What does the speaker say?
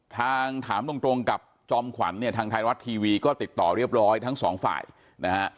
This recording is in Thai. ถามตรงกับจอมขวัญเนี่ยทางไทยรัฐทีวีก็ติดต่อเรียบร้อยทั้งสองฝ่ายนะฮะ